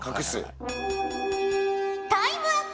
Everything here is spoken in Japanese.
タイムアップ。